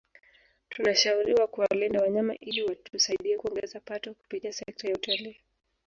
Tunashauriwa kuwalinda wanyama ili watusaidie kuongeza pato kupitia sekta ya utalii